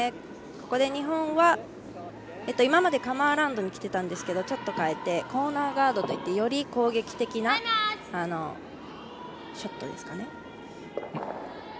日本は今までカムアラウンドに来ていましたがちょっと変えてコーナーガードといってより攻撃的なショットですかね。